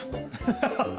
ハハハハ。